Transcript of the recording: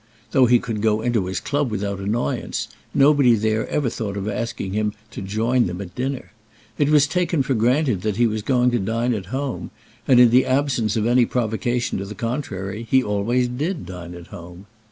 Though he could go into his club without annoyance, nobody there ever thought of asking him to join them at dinner. It was taken for granted that he was going to dine at home; and in the absence of any provocation to the contrary, he always did dine at home.